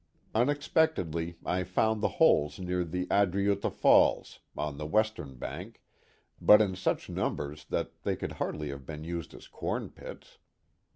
Unexpectedly, I found the holes near the Adriutha Falls, on the western bank, but in such numbers that they could hardly have been used as corn pits.